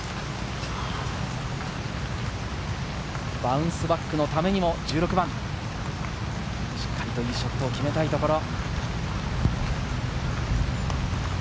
バウンスバックのためにも１６番、しっかりといいショットを決めたいところ。